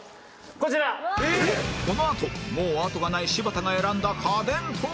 このあともう後がない柴田が選んだ家電とは！？